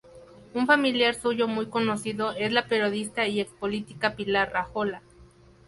Un familiar suyo muy conocido es la periodista y ex política Pilar Rahola.